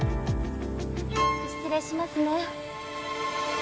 失礼しますね